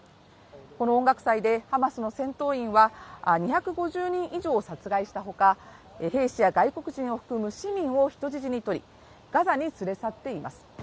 この音楽祭でハマスの戦闘員は２５０人以上殺害したほか、兵士や外国人を含む市民を人質にとり、ガザに連れ去っています。